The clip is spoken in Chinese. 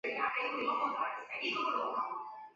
这些牧民现已迁离吉尔森林国家公园。